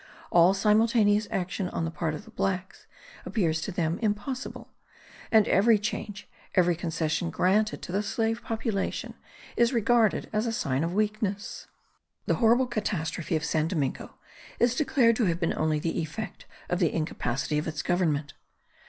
All simultaneous action on the part of the blacks appears to them impossible; and every change, every concession granted to the slave population, is regarded as a sign of weakness. The horrible catastrophe of San Domingo is declared to have been only the effect of the incapacity of its government.